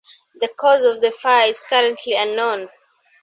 The cause of the fire is currently unknown.